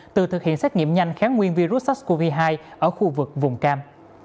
từ thực hiện xét nghiệm nhanh kháng nguyên virus sars cov hai ở khu vực vùng cam